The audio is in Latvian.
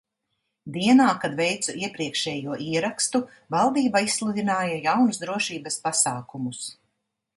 Dienā, kad veicu iepriekšējo ierakstu, valdība izsludināja jaunus drošības pasākumus.